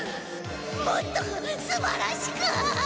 もっとすばらしく！